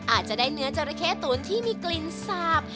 อาจจะได้เนื้อจราเข้ตุ๋นที่มีกลิ่นสาบ